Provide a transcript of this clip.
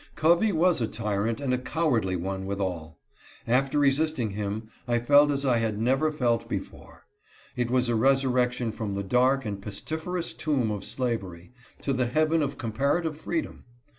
Covey was a tyrant and a cowardly one withal. After resisting him, I felt as I had never felt before. It was a resurrection from the dark and pestiferous tomb of slavery, to the heaven of comparative freedom.